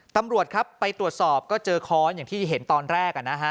ตำรวจครับไปตรวจสอบก็เจอค้อนอย่างที่เห็นตอนแรกนะฮะ